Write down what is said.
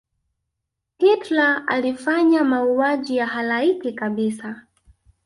hitler alifanya mauaji ya halaiki kabisa